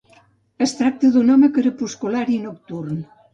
Es tracta d'un home crepuscular i nocturn.